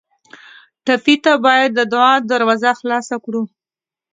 ټپي ته باید د دعا دروازه خلاصه کړو.